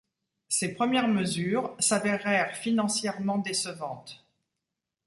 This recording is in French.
Ces premières mesures s’avérèrent financièrement décevantes.